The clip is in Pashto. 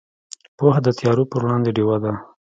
پوهه د تیارو پر وړاندې ډیوه ده.